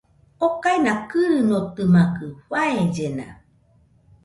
Okaina kɨrɨnotɨmakɨ, faellena